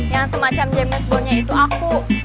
yang semacam james bondnya itu aku